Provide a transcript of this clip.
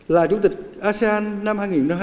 là chủ tịch asean năm hai nghìn hai mươi